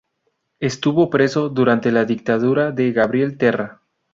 Estuvo preso durante la dictadura de Gabriel Terra.